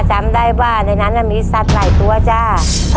จำได้ว่าในนั้นมีสัตว์หลายตัวจ้า